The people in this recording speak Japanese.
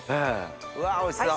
うわおいしそう。